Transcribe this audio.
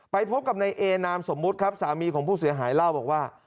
พบกับในเอนามสมมุติครับสามีของผู้เสียหายเล่าบอกว่า